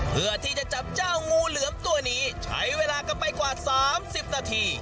เพื่อที่จะจับเจ้างูเหลือมตัวนี้ใช้เวลากันไปกว่า๓๐นาที